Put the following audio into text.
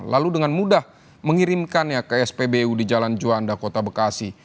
lalu dengan mudah mengirimkannya ke spbu di jalan juanda kota bekasi